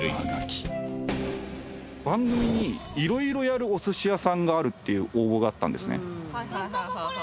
番組に色々やるお寿司屋さんがあるっていう応募があったんですね。